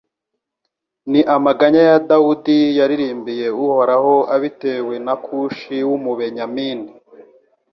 Ni amaganya ya Dawudi Yayiririmbiye Uhoraho abitewe na Kushi w’Umubenyamini